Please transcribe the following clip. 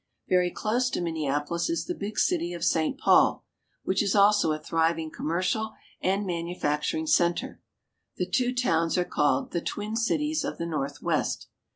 Very close to Minneapolis is the big city of St. Paul, which is also a thriving commercial and manufacturing center. The two towns are called the "Twin Cities of the Northwest."